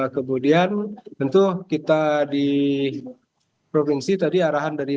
kemudian tentu kita di provinsi tadi arahan dari